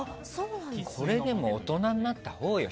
これでも大人になったほうよ。